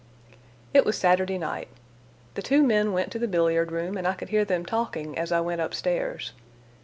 It was Saturday night. The two men went to the billiard room, and I could hear them talking as I went up stairs.